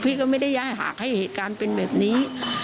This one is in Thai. พี่ก็ไม่ได้หากให้เหตุการณ์เป็นแบบนี้